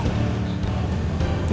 dan seperti biasa kamu